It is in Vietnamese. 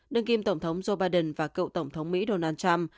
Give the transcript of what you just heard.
đương kim tổng thống joe biden và cựu tổng thống mỹ donald trump